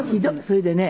それでね。